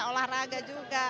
bisa olahraga juga